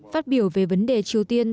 phát biểu về vấn đề triều tiên